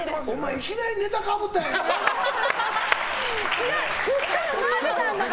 いきなりネタかぶったやないか！